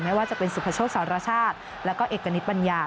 ไม่ว่าจะเป็นสุพโชคสารชาติแล้วก็เอกณิตปัญญา